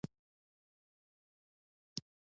کاري راپور ولې لیکل کیږي؟